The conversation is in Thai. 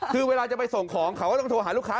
คือเวลาจะไปส่งของเขาก็ต้องโทรหาลูกค้า